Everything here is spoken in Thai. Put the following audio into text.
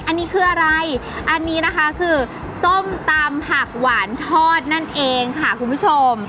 อันนี้คืออะไรอันนี้นะคะคือส้มตำผักหวานทอดนั่นเองค่ะคุณผู้ชม